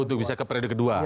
untuk bisa ke periode kedua